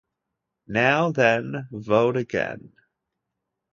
Now then, vote again.